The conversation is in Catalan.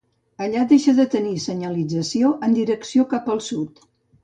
Allà deixa de tenir senyalització en direcció cap al sud.